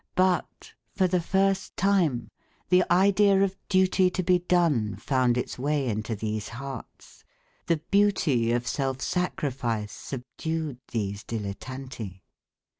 But for the first time the idea of duty to be done found its way into these hearts, the beauty of self sacrifice subdued these dilettanti.